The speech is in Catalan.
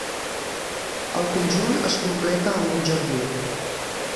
El conjunt es completa amb un jardí.